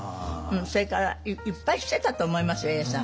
それからいっぱいしてたと思いますよ永さん。